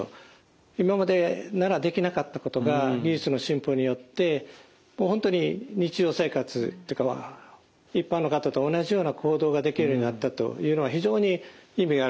今までならできなかったことが技術の進歩によって本当に日常生活というかまあ一般の方と同じような行動ができるようになったというのは非常に意味があると思います。